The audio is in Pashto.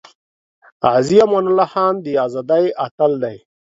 غازی امان الله خان د ازادی اتل دی